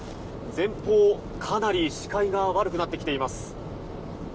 前方、かなり視界が悪くなってきています。